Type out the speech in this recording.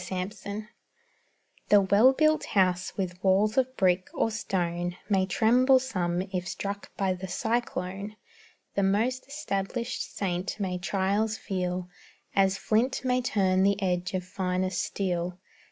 'STABLISHED The well built house with walls of brick, or stone, May tremble some if struck by the cyclone; The most established saint may trials feel, As flint may turn the edge of finest steel.